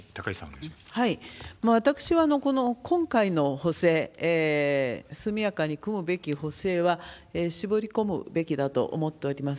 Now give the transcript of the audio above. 私はこの今回の補正、速やかに組むべき補正は絞り込むべきだと思っております。